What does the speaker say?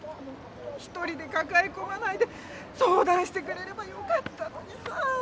一人でかかえこまないでそうだんしてくれればよかったのにさ。